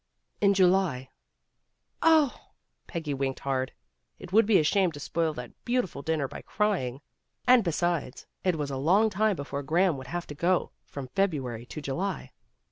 "In July." "Oh!" Peggy winked hard. It would be a shame to spoil that beautiful dinner by crying. And besides, it was a long time before Graham would have to go, from February to July.